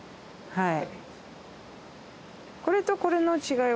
はい。